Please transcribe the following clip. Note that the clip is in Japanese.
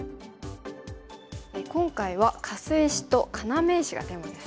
今回はカス石と要石がテーマですね。